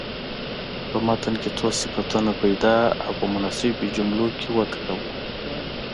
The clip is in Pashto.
په متن کې څو صفتونه پیدا او په مناسبو جملو کې وکاروئ.